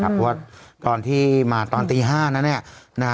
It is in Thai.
เพราะว่าเรามาตอนตี๕นั้นน่ะเนี่ย